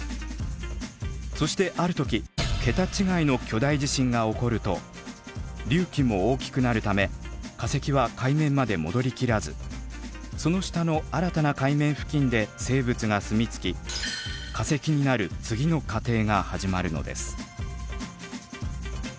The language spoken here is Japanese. そしてある時ケタ違いの巨大地震が起こると隆起も大きくなるため化石は海面まで戻りきらずその下の新たな海面付近で生物が住み着き化石になる次の過程が始まるのです。